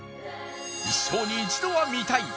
一生に一度は見たい！